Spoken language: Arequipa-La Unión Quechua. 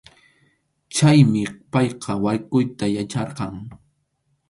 Chaymi payqa waykʼuyta yacharqan.